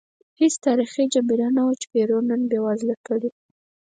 هېڅ تاریخي جبر نه و چې پیرو نن بېوزله کړي.